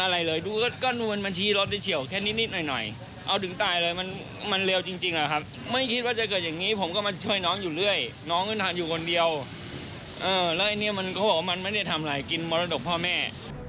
แล้วอันนี้มันก็บอกว่ามันไม่ได้ทำอะไรกินมรดกพ่อแม่